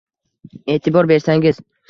E’tibor bersangiz